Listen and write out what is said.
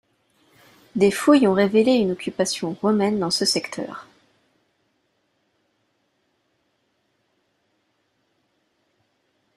Des fouilles ont révélé une occupation romaine dans ce secteur.